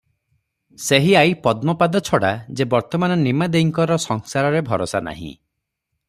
ସେହି ଆଈ ପଦ୍ମପାଦ ଛଡା ଯେ ବର୍ତ୍ତମାନ ନିମା ଦେଈଙ୍କର ସଂସାରରେ ଭରସା ନାହିଁ ।